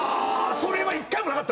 それは１回もなかったんですか？